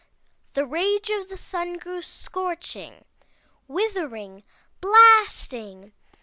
"The rage of the Sun grew scorching, withering, blasting.